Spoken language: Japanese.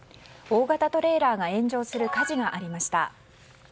大型トレーラーが炎上する火事がありました。